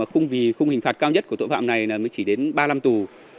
không vì khung hình phạt cao nhất của tội phạm này mới chỉ đến ba năm tù